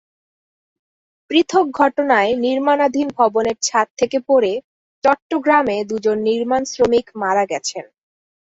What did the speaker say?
পৃথক ঘটনায় নির্মাণাধীন ভবনের ছাদ থেকে পড়ে চট্টগ্রামে দুজন নির্মাণশ্রমিক মারা গেছেন।